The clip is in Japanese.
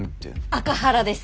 アカハラです。